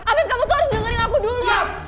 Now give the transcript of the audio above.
amin kamu tuh harus dengerin aku dulu